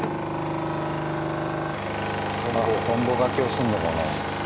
トンボがけをするのかな？